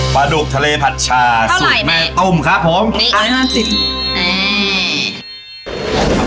ปลาดุกทะเลผัดชาสูตรแม่ต้มครับผมนี่อ่าจิบอ่า